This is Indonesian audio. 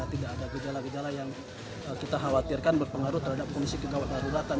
tidak ada gejala gejala yang kita khawatirkan berpengaruh terhadap fungsi kegawat daruratan